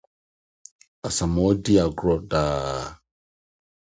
Asamoah di agoru daa.